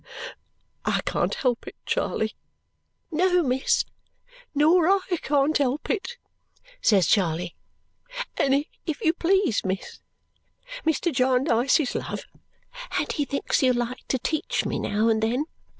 "I can't help it, Charley." "No, miss, nor I can't help it," says Charley. "And if you please, miss, Mr. Jarndyce's love, and he thinks you'll like to teach me now and then.